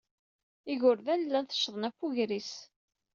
Igerdan llan teccḍen ɣef ugris.